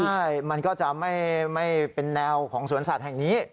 ใช่มันก็จะไม่เป็นแนวของสวนสัตว์แห่งนี้